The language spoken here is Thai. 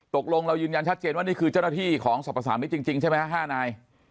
ตกลงเรายืนยันชัดเจนว่านี่คือเจ้าหน้าที่ของสรรพสามิตรจริงใช่ไหม๕นาย